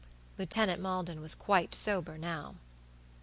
Lieutenant Maldon was quite sober now.